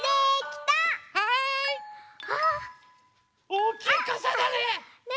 おおきいかさだね。